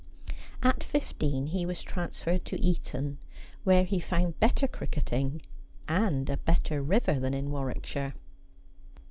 At fifteen he was transferred to Eton, where he found better cricketing and a better river than in Warwickshire.